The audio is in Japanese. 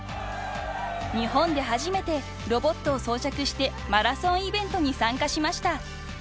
［日本で初めてロボットを装着してマラソンイベントに参加しました］